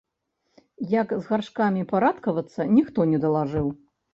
Як з гаршкамі парадкавацца, ніхто не далажыў.